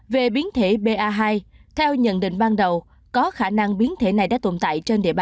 về biến thể ba hai theo nhận định ban đầu có khả năng biến thể này đã tồn tại